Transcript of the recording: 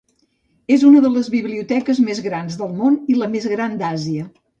És una de les biblioteques més grans del món i la més gran d'Àsia.